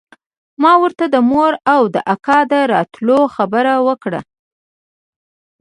ما ورته د مور او د اکا د راتلو خبره وکړه.